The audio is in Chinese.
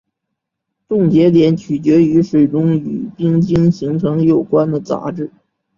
冻结点取决于水中与冰晶形成有关的杂质。